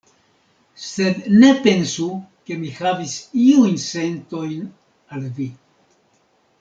Sed ne pensu ke mi havis iujn sentojn al vi.